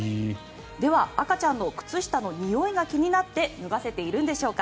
では、赤ちゃんの靴下のにおいが気になって脱がせているんでしょうか。